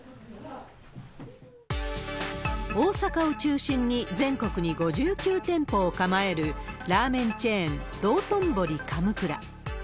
大阪を中心に全国に５９店舗を構えるラーメンチェーン、どうとんぼり神座。